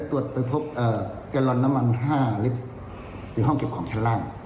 ตรวจไปฟบเอ่อเกอร์รอนน้ำมันห้าลิฟท์ห้องเก็บของชาลล่าง